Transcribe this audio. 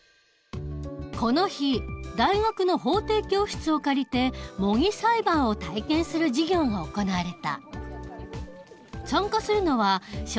この日大学の法廷教室を借りて模擬裁判を体験する授業が行われた。